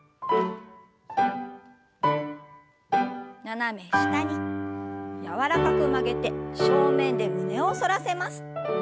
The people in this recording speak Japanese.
斜め下に柔らかく曲げて正面で胸を反らせます。